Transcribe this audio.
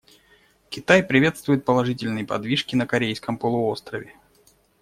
Китай приветствует положительные подвижки на Корейском полуострове.